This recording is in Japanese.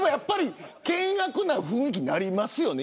険悪な雰囲気になりますよね